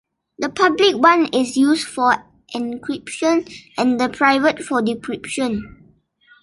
The public one is used for encryption, and the private for decryption.